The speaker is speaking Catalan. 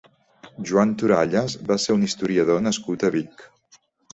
Joan Toralles va ser un historiador nascut a Vic.